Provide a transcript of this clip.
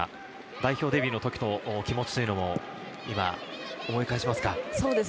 代表デビューの時の気持ちは思い返しますか？